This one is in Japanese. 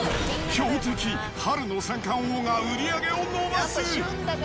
強敵、春の三貫王が売り上げを伸ばす。